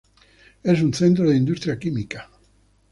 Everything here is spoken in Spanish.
Es un centro de industria química.